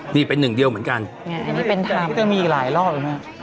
นี่เป็นหนึ่งเดียวเหมือนกันนี่มีก็ถ้ามีหลายรอบครับ